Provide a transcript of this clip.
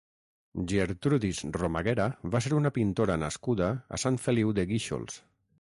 Gertrudis Romaguera va ser una pintora nascuda a Sant Feliu de Guíxols.